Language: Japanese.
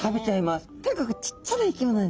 とにかくちっちゃな生き物なんですね。